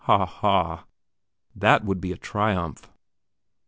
Ha, ha! that would be a triumph.